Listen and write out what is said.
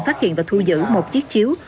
phát hiện và thu giữ một chiếc chiếu